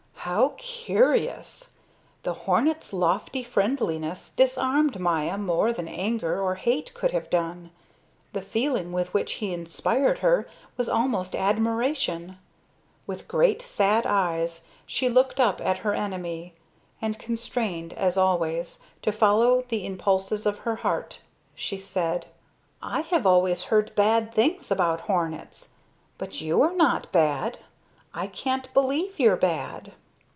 How curious! The hornet's lofty friendliness disarmed Maya more than anger or hate could have done. The feeling with which he inspired her was almost admiration. With great sad eyes she looked up at her enemy, and constrained, as always, to follow the impulses of her heart, she said: "I have always heard bad things about hornets. But you are not bad. I can't believe you're bad."